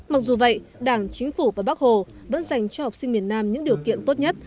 mặc dù vậy đảng chính phủ và bắc hồ vẫn dành cho học sinh miền nam những điều kiện tốt nhất